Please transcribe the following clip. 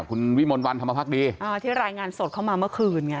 คุณวิมลวันธรรมภักดีอ่าที่รายงานสดเข้ามาเมื่อคืนไง